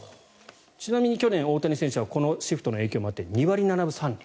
ちなみに去年、大谷選手はこのシフトの影響もあって２割７分３厘。